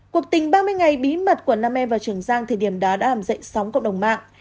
cuộc tình ba mươi ngày bí mật của nam em và trường giang thời điểm đá đã làm dậy sóng cộng đồng mạng